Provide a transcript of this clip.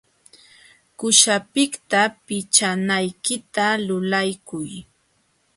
Quśhapiqta pichanaykita lulaykuy.